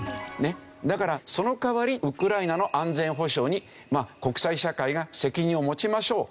だからその代わりウクライナの安全保障に国際社会が責任を持ちましょうっていう約束をした。